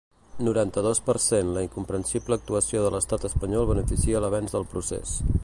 Noranta-dos per cent La incomprensible actuació de l’estat espanyol beneficia l’avenç del procés.